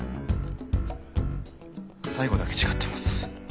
最後だけ違ってます。